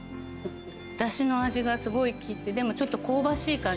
だしの味がすごい効いてでもちょっと香ばしい感じの。